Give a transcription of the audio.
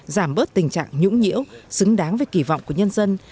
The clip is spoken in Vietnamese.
giảm bớt tình trạng nhũng nhiễu xứng đáng với kỳ vọng của nhân dân